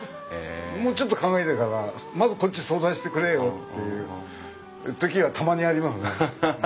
もうちょっと考えてからまずこっち相談してくれよという時がたまにありますね。